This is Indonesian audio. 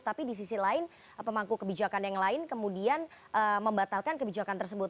tapi di sisi lain pemangku kebijakan yang lain kemudian membatalkan kebijakan tersebut